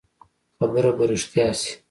خبره به رښتيا شي.